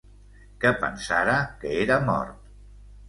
Que pensara que era mort...